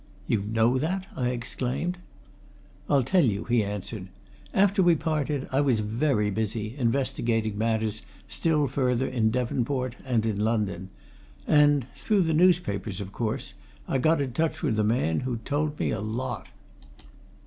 "You know that?" I exclaimed. "I'll tell you," he answered. "After we parted, I was very busy, investigating matters still further in Devonport and in London. And through the newspapers, of course I got in touch with a man who told me a lot.